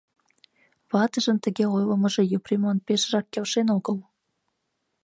Ватыжын тыге ойлымыжо Епремлан пешыжак келшен огыл.